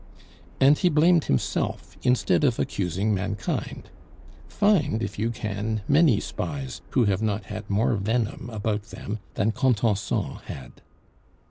And he blamed himself instead of accusing mankind. Find, if you can, many spies who have not had more venom about them than Contenson had.